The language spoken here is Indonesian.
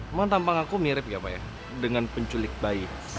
emang tampak aku mirip ya pak ya dengan penculik bayi